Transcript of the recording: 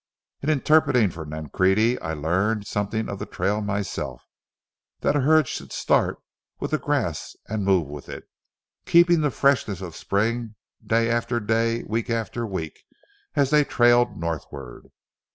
In interpreting for Nancrede, I learned something of the trail myself: that a herd should start with the grass and move with it, keeping the freshness of spring, day after day and week after week, as they trailed northward.